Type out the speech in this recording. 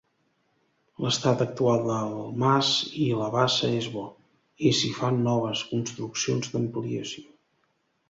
L’estat actual del mas i la bassa és bo, i s'hi fan noves construccions d’ampliació.